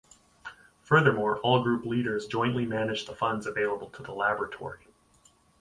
Furthermore, all group leaders jointly manage the funds available to the laboratory.